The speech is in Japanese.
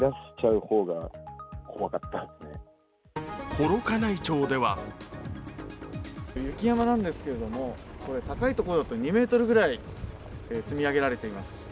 幌加内町では雪山なんですけれども、高いところでは２ｍぐらい積み上げられています。